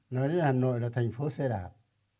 nói đến hà nội là thành phố xe đạp